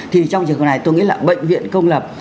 thì trong trường hợp này tôi nghĩ là bệnh viện công lập